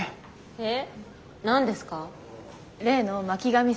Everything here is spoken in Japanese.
えっ。